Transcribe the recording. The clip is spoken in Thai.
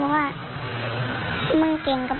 แล้วเขาก็หนีขึ้นห้องครับ